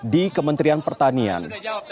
di kementerian pertanian